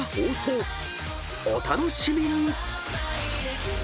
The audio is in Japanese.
［お楽しみに！］